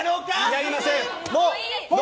やりません！